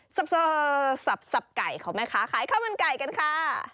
สับไก่ของแม่ค้าขายข้าวมันไก่กันค่ะ